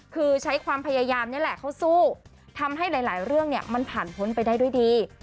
คือใช้ความพยายามนี่แหละเขาสู้ทำให้หลายเรื่องเนี่ยมันผ่านพ้นไปได้ด้วยดี